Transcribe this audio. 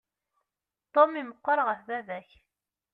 Tom i meqqer ɣef baba-k.